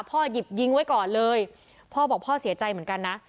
หยิบยิงไว้ก่อนเลยพ่อบอกพ่อเสียใจเหมือนกันนะ